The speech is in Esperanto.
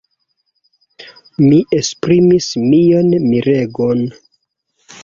Mi esprimis mian miregon.